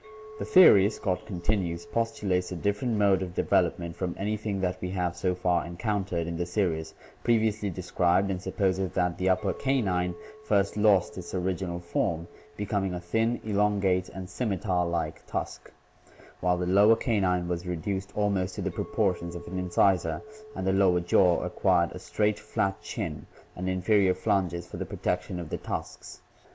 "The theory," Scott continues, "postulates a different mode of development from anything that we have so far encountered in the series previously described and supposes that the upper canine first lost its original form, becoming a thin, elongate and scimitar like tusk, while the lower canine was reduced almost to the proportions of an incisor and the lower jaw acquired a straight, flat chin and inferior flanges for the protection of the tusks.